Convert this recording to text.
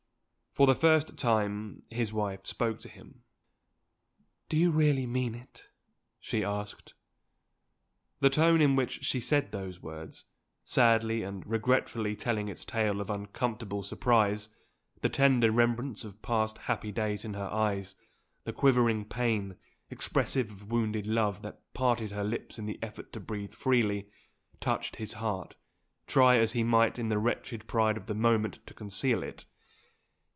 For the first time, his wife spoke to him. "Do you really mean it?" she asked, The tone in which she said those words, sadly and regretfully telling its tale of uncontrollable surprise; the tender remembrance of past happy days in her eyes; the quivering pain, expressive of wounded love, that parted her lips in the effort to breathe freely, touched his heart, try as he might in the wretched pride of the moment to conceal it.